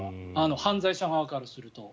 犯罪者側からすると。